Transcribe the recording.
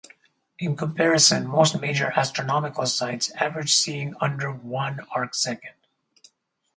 In comparison, most major astronomical sites average seeing under one arcsecond.